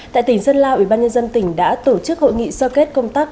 tại tỉnh sơn la ủy ban nhân dân tỉnh đã tổ chức hội nghị sơ kết công tác